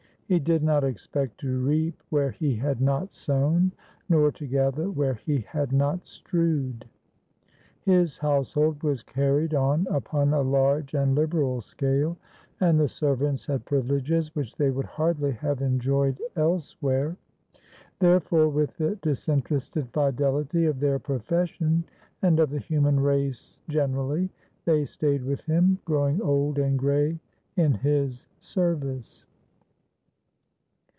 He did not expect to reap where he had not sown, nor to gather where he had not strewed. His house hold was carried on upon a large and liberal scale, and the ser vants had privileges which they would hardly have enjoyed elsewhere. Therefore, with the disinterested fidelity of their profession, and of the human race generally, they stayed with him, growing old and gray in his service.